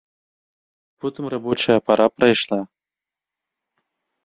Потым рабочая пара прайшла.